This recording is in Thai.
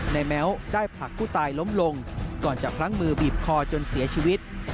แม้วได้ผลักผู้ตายล้มลงก่อนจะพลั้งมือบีบคอจนเสียชีวิต